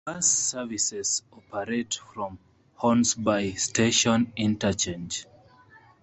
Bus services operate from Hornsby Station Interchange.